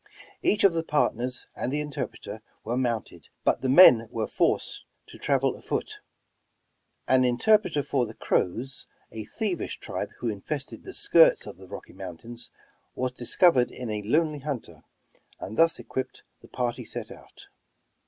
Each of the partners and the interpreter were mounted, but the men were forced to travel afoot. An interpreter for the Crows, a thievish tribe who infested the skirts of the Rocky Mountains, was discovered in a lonely hunter, and thus equipped the party set out.